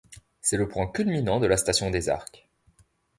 C'est le point culminant de la station des Arcs.